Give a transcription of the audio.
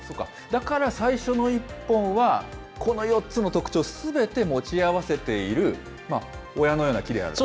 だから最初の１本はこの４つの特徴すべて持ち合わせている、親のような木であると。